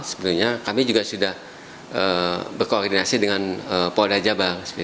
sebenarnya kami juga sudah berkoordinasi dengan polda jabar